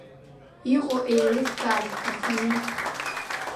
Иҟоу еилыскаар сҭахыми.